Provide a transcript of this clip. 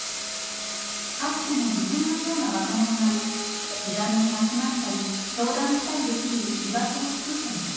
かつての自分のような若者が気軽に集まったり相談したりできる居場所をつくったのです。